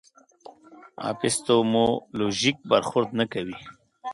اپیستیمولوژیک برخورد نه کوي.